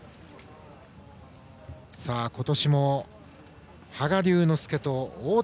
今年も羽賀龍之介と太田彪